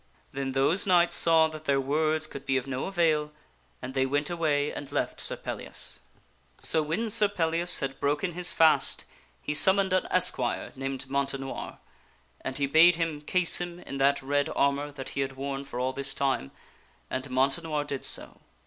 Then those knights saw that their words could be of no avail and they went away and left Sir Pellias. So when Sir Pellias had broken his fast he summoned an esquire named Montenoir, and he bade him case him in that red armor that he had worn for all this time, and Montenoir did so.